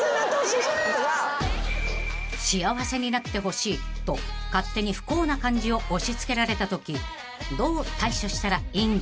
［「幸せになってほしい」と勝手に不幸な感じを押し付けられたときどう対処したらいいんでしょうか？］